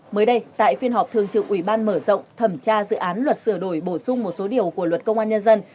mới đây tại phiên họp thường trực ủy ban mở rộng thẩm tra dự án luật sửa đổi bổ sung một số điều của luật công an nhân dân